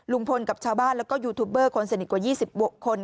ลุงพลกับชาวบ้านแล้วก็ยูทูบเบอร์คนสนิทกว่า๒๖คน